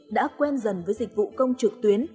đã quen dần với dịch vụ công trực tuyến